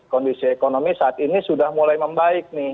kondisi ekonomi saat ini sudah mulai membaik nih